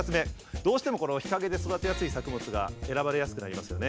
どうしても日陰で育てやすい作物が選ばれやすくなりますよね。